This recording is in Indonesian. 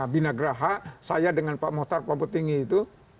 binagraha saya dengan pak mohtar pabutingi itu